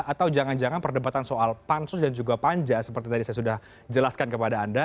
atau jangan jangan perdebatan soal pansus dan juga panja seperti tadi saya sudah jelaskan kepada anda